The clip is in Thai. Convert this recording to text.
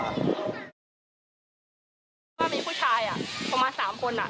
คิดว่ามีผู้ชายประมาณ๓คน